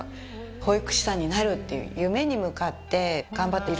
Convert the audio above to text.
保育士さんになるっていう夢に向かって頑張っている。